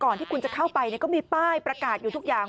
ที่คุณจะเข้าไปก็มีป้ายประกาศอยู่ทุกอย่าง